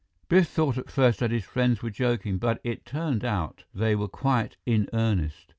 Biff thought at first that his friends were joking, but it turned out they were quite in earnest.